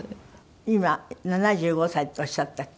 今７５歳っておっしゃったっけ？